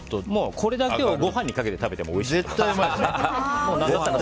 これだけをご飯にかけてもおいしいです。